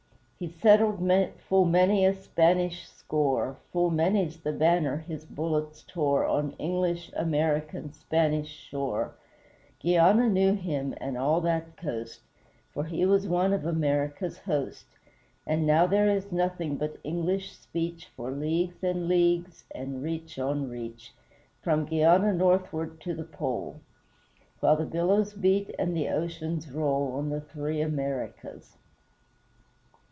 He settled full many a Spanish score, Full many's the banner his bullets tore On English, American, Spanish shore; Guiana knew him, and all that coast, For he was one of America's host And now there is nothing but English speech For leagues and leagues, and reach on reach, From Guiana northward to the Pole; While the billows beat and the oceans roll On the Three Americas.